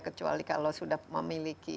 kecuali kalau sudah memiliki